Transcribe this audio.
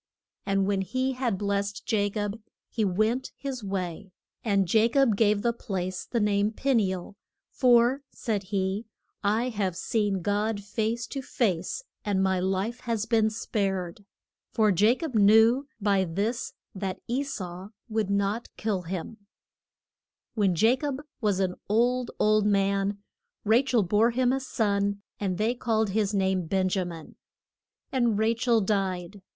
And when he had blest Ja cob he went his way. And Ja cob gave the place the name of Pe ni el, for, said he, I have seen God face to face and my life has been spared. For Ja cob knew by this that E sau would not kill him. [Illustration: THE MEET ING OF JA COB AND E SAU.] When Ja cob was an old, old man Ra chel bore him a son; and they called his name Ben ja min. And Ra chel died.